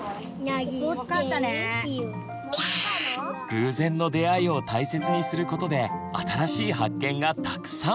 偶然の出会いを大切にすることで新しい発見がたくさん！